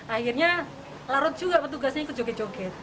akhirnya larut juga petugasnya ikut joget joget